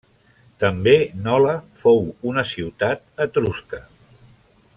També Nola fou una ciutat etrusca.